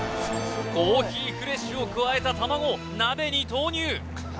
コーヒーフレッシュを加えた卵を鍋に投入！